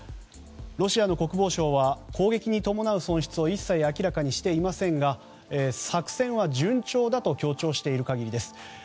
ロシアの国防相は攻撃に伴う損失を一切、明らかにしていませんが作戦は順調だと強調している限りです。